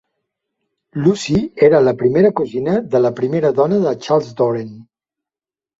Lucy era la primera cosina de la primera dona de Charles, Doreen.